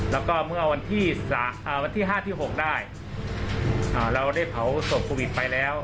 แล้วก็เมื่อวันที่๕๖ได้เราได้เผาศพโควิดไปแล้ว